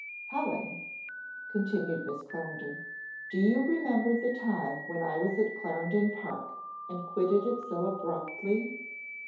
"Helen!" continued Miss Clarendon, "do you remember the time when I was at Clarendon Park and quitted it so abruptly?